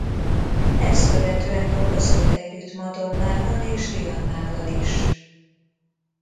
Ezt követően dolgozott együtt Madonnával és Rihannával is.